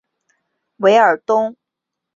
韦尔东。